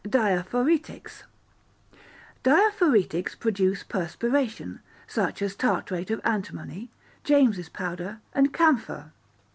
Diaphoretics Diaphoretics produce perspiration, such as tartrate of antimony, James's powder, and camphor.